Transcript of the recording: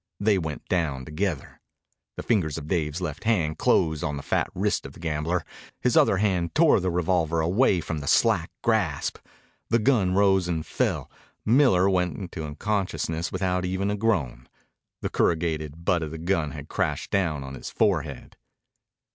They went down together. The fingers of Dave's left hand closed on the fat wrist of the gambler. His other hand tore the revolver away from the slack grasp. The gun rose and fell. Miller went into unconsciousness without even a groan. The corrugated butt of the gun had crashed down on his forehead.